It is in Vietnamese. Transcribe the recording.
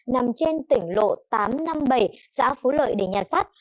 nằm trên tỉnh lộ tám trăm năm mươi bảy xã phú lợi để nhà sát